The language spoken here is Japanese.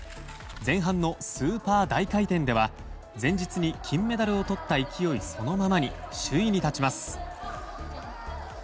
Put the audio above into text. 前半のスーパー大回転では前日に金メダルをとった勢いそのままに首位に立ちます。